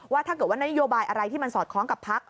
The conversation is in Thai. ถ้าเกิดว่านโยบายอะไรที่มันสอดคล้องกับพัก